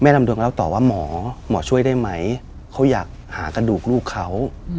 แหม่ลำดวนแล้วตอบว่าหมอหมอช่วยได้ไหมเราก็อยากหากระดูกลูกเขา